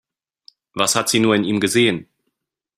Was hat sie nur in ihm gesehen?